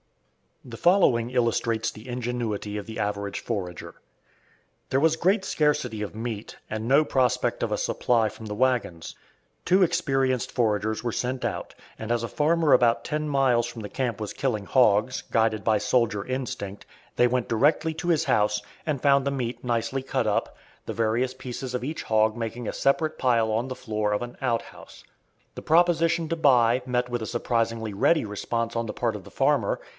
The following illustrates the ingenuity of the average forager. There was great scarcity of meat, and no prospect of a supply from the wagons. Two experienced foragers were sent out, and as a farmer about ten miles from the camp was killing hogs, guided by soldier instinct, they went directly to his house, and found the meat nicely cut up, the various pieces of each hog making a separate pile on the floor of an outhouse. The proposition to buy met with a surprisingly ready response on the part of the farmer.